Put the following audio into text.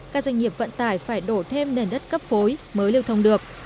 các doanh nghiệp vận tải phải đổ thêm đền đất cấp phối mới liêu thông được